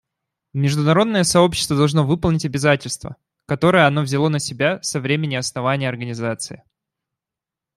Международное сообщество должно выполнить обязательства, которые оно взяло на себя со времени основания Организации.